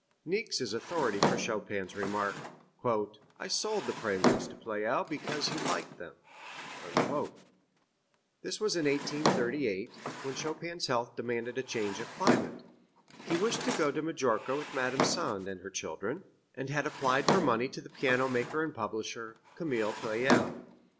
Niecks is authority for Chopin's remark: "I sold the Preludes to Pleyel because he liked them." This was in 1838, when Chopin's health demanded a change of climate. He wished to go to Majorca with Madame Sand and her children, and had applied for money to the piano maker and publisher, Camille Pleyel.